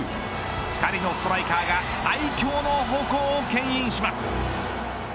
２人のストライカーが最強の矛をけん引します。